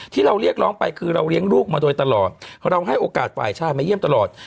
ที่เราเรียกร้องไปคือเราเลี้ยงลูกมาโดยตลอดเราให้โอกาสฝ่ายชายมาเยี่ยมตลอด